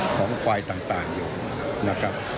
ของควายต่างอยู่